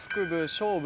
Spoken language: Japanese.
勝負。